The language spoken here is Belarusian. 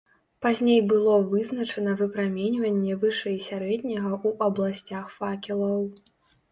Пазней было вызначана выпраменьванне вышэй сярэдняга ў абласцях факелаў.